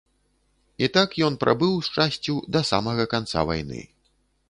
І так ён прабыў з часцю да самага канца вайны.